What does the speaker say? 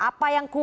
apa yang kuncinya